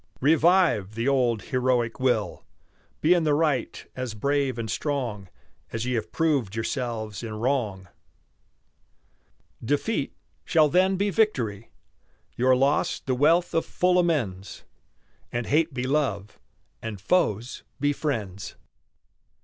Revive the old heroic will; Be in the right as brave and strong As ye have proved yourselves in wrong. Defeat shall then be victory, Your loss the wealth of full amends, And hate be love, and foes be friends.